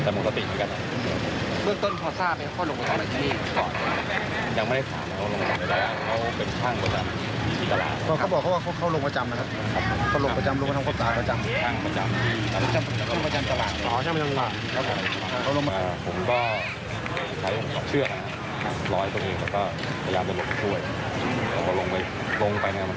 เราก็เลยล้อยตรงนี้ก็จะลงไป